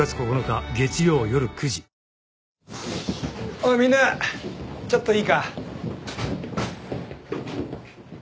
おいみんなちょっといいか？